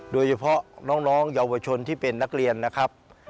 โดยเฉพาะน้องเยาวชนที่เป็นนักเรียนนะครับ